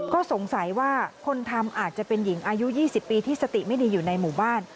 ก็สงสัยว่าคนทำอาจจะเป็นหญิงอายุ๒๐ปีที่สติไม่ดีอยู่ในหมู่บ้าน